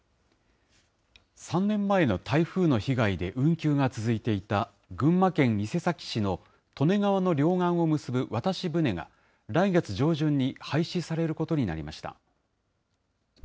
３年前の台風の被害で運休が続いていた、群馬県伊勢崎市の利根川の両岸を結ぶ渡し船が、来月上旬に廃止されることになりました。